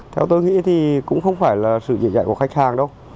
theo tôi nghĩ thì cũng không phải là sự dễ dãi của khách hàng đâu